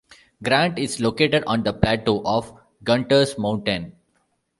Grant is located on the plateau of Gunters Mountain.